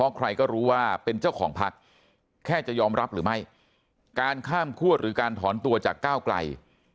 ใครก็รู้ว่าเป็นเจ้าของพักแค่จะยอมรับหรือไม่การข้ามคั่วหรือการถอนตัวจากก้าวไกล